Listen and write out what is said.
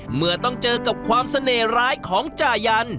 เมื่อต้องเจอกับความเสน่หร้ายของจ่ายัน